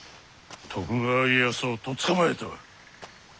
徳川家康をとっ捕まえたわ。